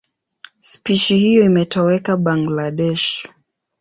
Spishi hiyo imetoweka Bangladesh.